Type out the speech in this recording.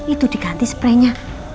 itu diganti spraynya